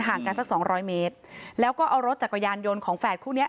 กันสักสองร้อยเมตรแล้วก็เอารถจักรยานยนต์ของแฝดคู่เนี้ย